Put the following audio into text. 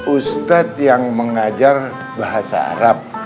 ustadz yang mengajar bahasa arab